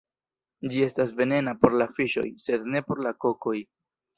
Ĝi estas venena por la fiŝoj, sed ne por la kokoj.